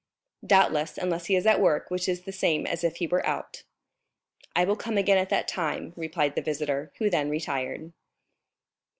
"Doubtless, unless he is at work, which is the same as if he were out." "I will come again at that time," replied the visitor, who then retired.